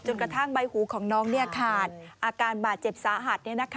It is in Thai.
กระทั่งใบหูของน้องขาดอาการบาดเจ็บสาหัส